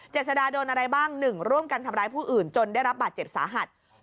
สดาโดนอะไรบ้าง๑ร่วมกันทำร้ายผู้อื่นจนได้รับบาดเจ็บสาหัส